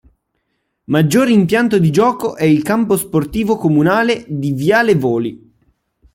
Maggior impianto di gioco è il campo sportivo comunale di viale Voli.